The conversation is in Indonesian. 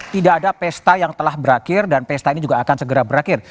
tidak ada pesta yang telah berakhir dan pesta ini juga akan segera berakhir